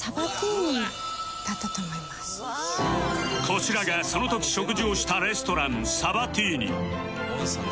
こちらがその時食事をしたレストランサバティーニ